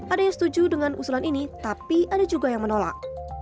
ada yang setuju dengan usulan ini tapi ada juga yang menolak